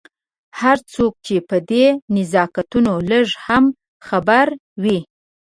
هر څوک چې په دې نزاکتونو لږ هم خبر وي.